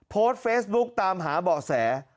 โพสต์เฟซบุ๊กตามหาเบาะแส